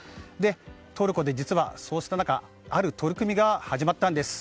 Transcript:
トルコで実はそうした中ある取り組みが始まったんです。